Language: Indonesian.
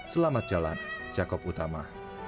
selamat jalan jakob utama